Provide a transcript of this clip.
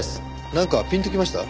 なんかピンときました？